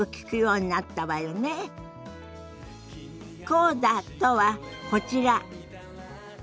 コーダとはこちら。